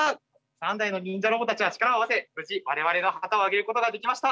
３台の忍者ロボたちは力を合わせ無事我々の旗をあげることができました。